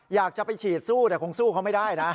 อยากจะไปฉีดสู้แต่คงสู้เขาไม่ได้นะ